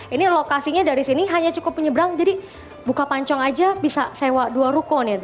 ini lokasinya dari sini hanya cukup menyeberang jadi buka pancong aja bisa sewa dua ruko nih